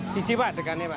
sisi pak degannya pak